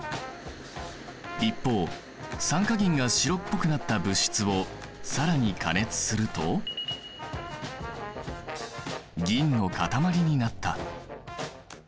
一方酸化銀が白っぽくなった物質を更に加熱すると銀の塊になった。